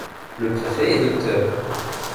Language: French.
Le préfet est Dr.